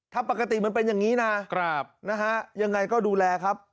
ถ้าปกติมันเป็นอย่างนี้นะยังไงก็ดูแลครับ